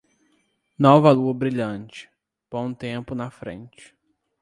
Nova lua brilhante, bom tempo na frente.